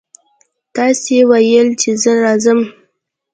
تاسې ویل چې زه راځم.